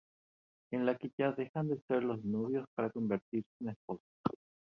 En la que ya dejan de ser los novios para convertirse en esposos.